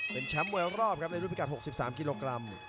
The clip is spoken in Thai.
เป็นแชมป์มวยรอบครับในรุ่นพิกัด๖๓กิโลกรัม